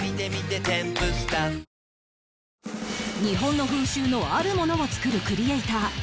日本の風習のあるものを作るクリエイター